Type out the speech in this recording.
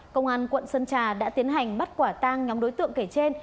công an quận sơn trà đã tiến hành bắt quả tang nhóm đối tượng kể trên